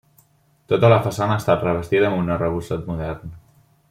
Tota la façana ha estat revestida amb un arrebossat modern.